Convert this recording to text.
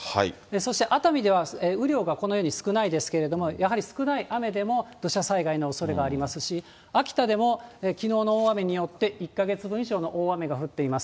そして熱海では、雨量がこのように少ないですけれども、やはり少ない雨でも土砂災害のおそれがありますし、秋田でもきのうの大雨によって、１か月分以上の大雨が降っています。